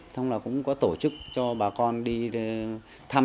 xong là cũng có tổ chức cho bà con đi thăm